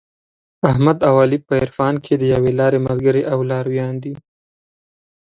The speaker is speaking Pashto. احمد او علي په عرفان کې د یوې لارې ملګري او لارویان دي.